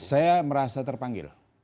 saya merasa terpanggil